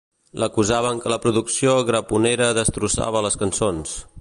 L'acusaven que la producció graponera destrossava les cançons.